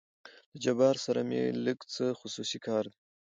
له جبار سره مې لېږ څه خصوصي کار دى.